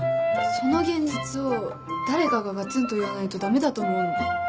その現実を誰かがガツンと言わないと駄目だと思うの。